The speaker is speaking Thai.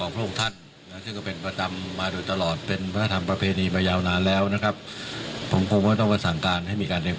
เป็นกระทำอย่างยิ่ง